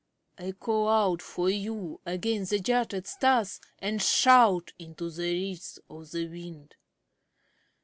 I call out for you against the jutted stars And shout into the ridges of the wind.